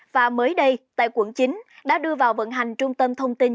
và mới đây tại quận chín đã đưa vào vận hành trung tâm thông tin